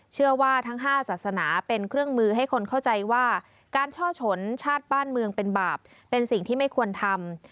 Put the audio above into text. เชื่อว่าทั้ง๕ศาสนาเป็นเครื่องมือให้คนเข้าใจว่าการช่อฉนชาติบ้านเมืองเป็นบาปเป็นสิ่งที่ไม่ควรทำ